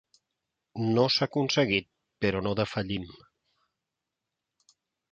No s'ha aconseguit, però no defallim.